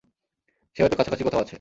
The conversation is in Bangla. সে হয়ত কাছাকাছি কোথাও আছে।